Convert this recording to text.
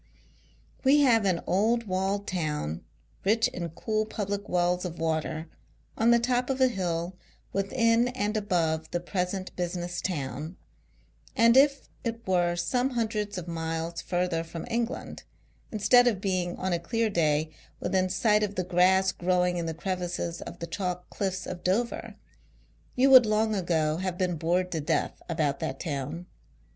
We have an old walled town, rich in cool public wells of water, on the top of a hill within and above the present business town ; and if it were some hundreds of miles further from England, instead of being, on a clear day, within sight of the grass growing in the crevices of the chalk cliffs of Dover, you would long ago have been bored to death about that town.